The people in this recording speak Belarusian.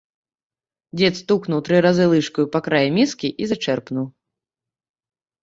Дзед стукнуў тры разы лыжкаю па краі міскі і зачэрпнуў.